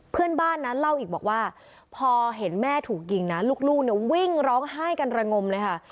เพื่อนบ้านนั้นเล่าอีกบอกว่าพอเห็นแม่ถูกยิงนะลูกเนี่ยวิ่งร้องไห้กันระงมเลยค่ะ